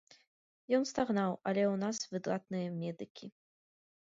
Ён стагнаў, але ў нас выдатныя медыкі.